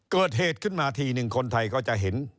เกิดเหตุขึ้นมาทีหนึ่งคนไทยก็จะเห็น